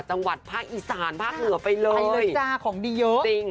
จังหวัดภาคอีสานภาคเหนือไปเลยไปเลยจ้าของดีเยอะจริง